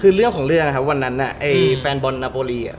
คือเรื่องของเรื่องนะครับวันนั้นไอ้แฟนบอลนาโบรีอ่ะ